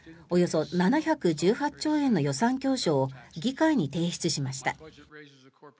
およそ７１８兆円の予算教書を議会に提出しました。